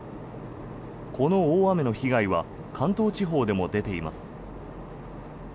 この大雨の被害は関東地方でも出ています。